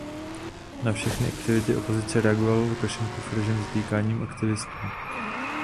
Na všechny aktivity opozice reagoval Lukašenkův režim zatýkáním aktivistů.